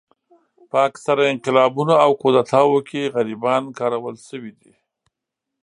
په اکثره انقلابونو او کودتاوو کې غریبان کارول شوي دي.